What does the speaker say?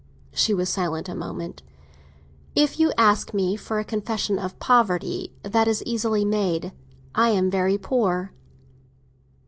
She was silent a moment. "If you ask me for a confession of poverty, that is easily made. I am very poor."